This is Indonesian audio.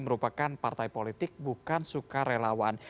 merupakan partai politik bukan sukarelawan